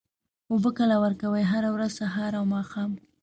اوبه کله ورکوئ؟ هره ورځ، سهار او ماښام